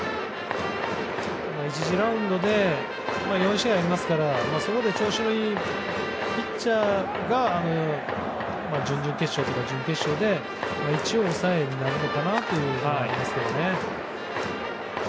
１次ラウンドで４試合ありますからそこで調子のいいピッチャーが準々決勝とか準決勝で一応、抑えになるのかなと思いますけどね。